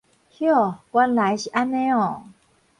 諾，原來是按呢喔！